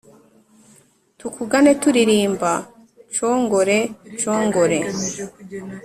tukugane tulirimba nshongore, nshongore.